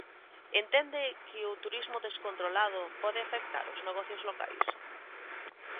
¿Entende que o turismo descontrolado pode afectar os negocios locais?